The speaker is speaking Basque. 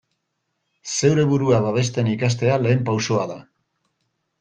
Zeure burua babesten ikastea lehen pausoa da.